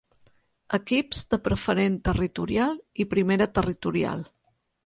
Equips de Preferent Territorial i Primera Territorial.